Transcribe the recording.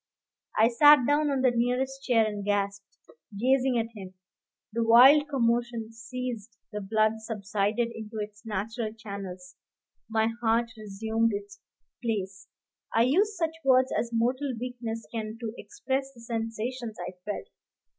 I sat down on the nearest chair and gasped, gazing at him. The wild commotion ceased; the blood subsided into its natural channels; my heart resumed its place. I use such words as mortal weakness can to express the sensations I felt.